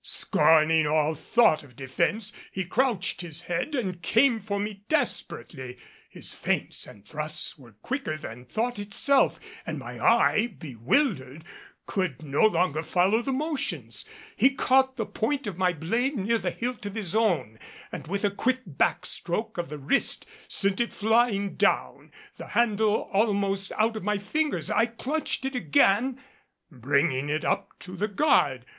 Scorning all thought of defense, he crouched his head and came for me desperately his feints and thrusts were quicker than thought itself, and my eye, bewildered, could no longer follow the motions. He caught the point of my blade near the hilt of his own, and with a quick back stroke of the wrist sent it flying down, the handle almost out of my fingers. I clutched it again, bringing it up to the guard.